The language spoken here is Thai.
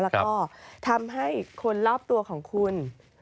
แล้วก็ทำให้คนรอบตัวของคุณ